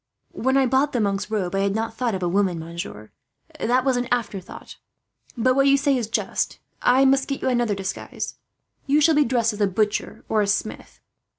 "When I bought the monk's robe I had not thought of a woman, monsieur. That was an afterthought. But what you say is just. I must get you another disguise. You shall be dressed as a butcher, or a smith."